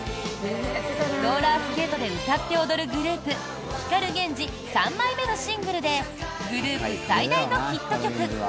ローラースケートで歌って踊るグループ光ＧＥＮＪＩ３枚目のシングルでグループ最大のヒット曲。